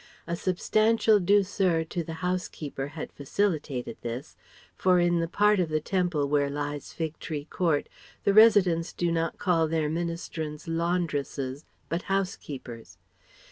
A substantial douceur to the "housekeeper" had facilitated this, for in the part of the Temple where lies Fig Tree Court the residents do not call their ministrants "laundresses," but "housekeepers."